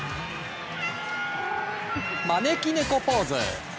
招き猫ポーズ。